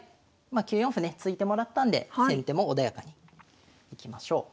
まあ９四歩ね突いてもらったんで先手も穏やかにいきましょう。